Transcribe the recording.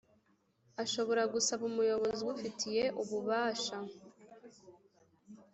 ashobora gusaba umuyobozi ubifitiye ububasha